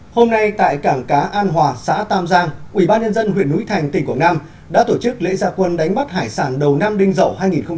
hôm nay tại cảng cá an hòa xã tam giang ủy ban nhân dân huyện núi thành tỉnh quảng nam đã tổ chức lễ gia quân đánh bắt hải sản đầu năm đinh dậu hai nghìn một mươi bảy